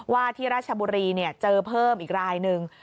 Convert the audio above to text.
ว่าที่ราชบุรีเจอเพิ่มอีกรายหนึ่ง